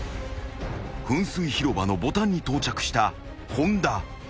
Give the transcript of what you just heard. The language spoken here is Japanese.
［噴水広場のボタンに到着した本田］